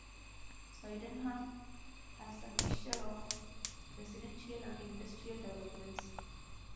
Sydenham has a mixture of residential and industrial developments.